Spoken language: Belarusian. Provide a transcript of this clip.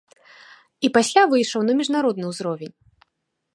І пасля выйшаў на міжнародны ўзровень.